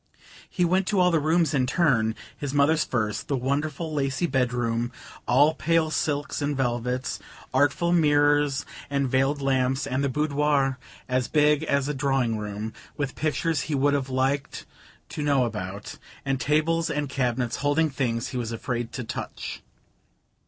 He went to all the rooms in turn: his mother's first, the wonderful lacy bedroom, all pale silks and velvets, artful mirrors and veiled lamps, and the boudoir as big as a drawing room, with pictures he would have liked to know about, and tables and cabinets holding things he was afraid to touch.